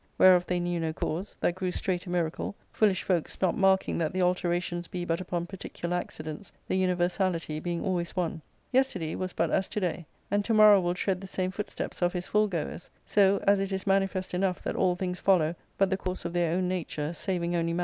Whereof they knew no cause, that grew straight a miracle, foolish folks \ not marking that the alterations be but upon particular acci dents, the universality being always one. Yesterday was but ^ as to day, and to morrow will tread the same footsteps of his T foregoers ; so as it is manifest enough that all things follow J but the course of their own nature, saving only man, who, * Sheivds — Examples; from the verb "to shew."